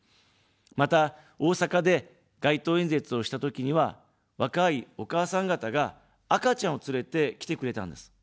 また、大阪で街頭演説をしたときには、若いお母さん方が、赤ちゃんを連れて来てくれたんです。